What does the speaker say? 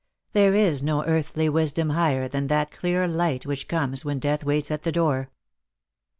There is no earthly wisdom higher than that clear light which comes when death waits at the door.